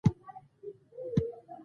ميرويس خان وخندل: درته وايم يې!